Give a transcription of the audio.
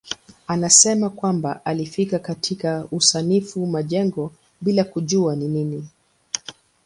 Anasema kwamba alifika katika usanifu majengo bila kujua ni nini.